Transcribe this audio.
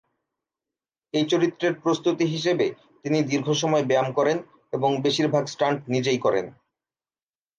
এই চরিত্রের প্রস্তুতি হিসেবে তিনি দীর্ঘসময় ব্যায়াম করেন এবং বেশিরভাগ স্টান্ট নিজেই করেন।